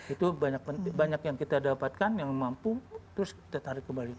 itu banyak yang kita dapatkan yang mampu terus kita tarik kembali